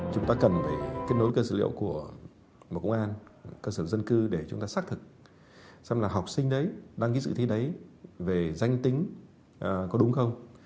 chúng ta cần phải kết nối cơ dữ liệu của công an cơ sở dân cư để chúng ta xác thực xem là học sinh đấy đăng ký dự thi đấy về danh tính có đúng không